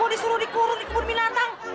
disuruh dikurung di kebun binatang